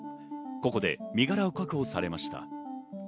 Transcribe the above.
ここで身柄を確保されました。